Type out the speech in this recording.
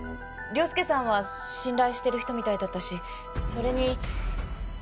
凌介さんは信頼してる人みたいだったしそれに。